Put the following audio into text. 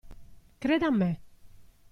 Creda a me.